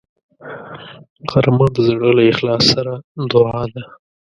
غرمه د زړه له اخلاص سره دعا ده